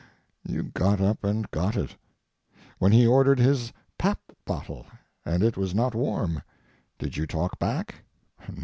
You got up and got it. When he ordered his pap bottle and it was not warm, did you talk back?